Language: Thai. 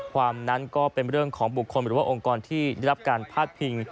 ความนั้นก็เป็นเรื่องของบุคคลหรือว่าองค์กรที่ได้รับการพาดพิง